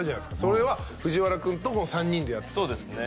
それは藤原君と３人でやってたんですよ